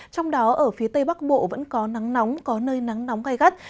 trong đó ở phía tây bắc bộ vẫn có nắng nóng có nơi nắng nóng gai gắt